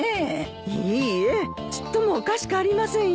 いいえちっともおかしくありませんよ。